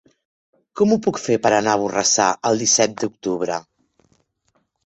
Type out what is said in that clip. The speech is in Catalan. Com ho puc fer per anar a Borrassà el disset d'octubre?